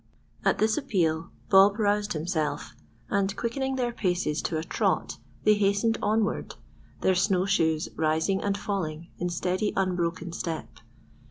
At this appeal Bob roused himself; and quickening their pace to a trot, they hastened onward, their snow shoes rising and falling in steady, unbroken step.